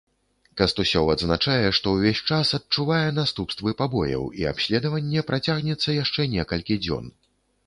Кастусёў адзначае, што ўвесь час адчувае наступствы пабояў і абследаванне працягнецца яшчэ некалькі дзён.